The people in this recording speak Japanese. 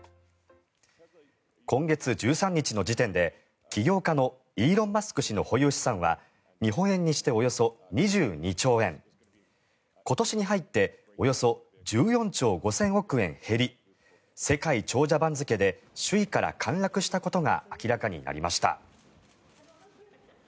今月１３日の時点で、起業家のイーロン・マスク氏の保有資産は日本円にしておよそ２２兆円今年に入っておよそ１４兆５０００億円減り世界長者番付で首位から陥落したことが明らかになりました。